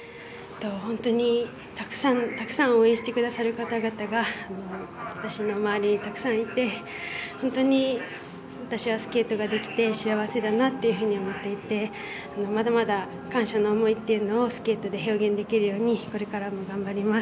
本当にたくさんたくさん応援してくださる方々が私の周りにたくさんいて本当に私はスケートができて幸せだなというふうに思っていてまだまだ感謝の思いというのをスケートで表現できるようにこれからも頑張ります。